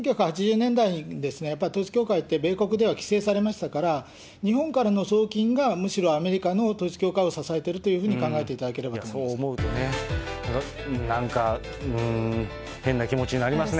１９８０年代に統一教会って米国では規制されましたから、日本からの送金がむしろアメリカの統一教会を支えているというふうに考えていただければと思います。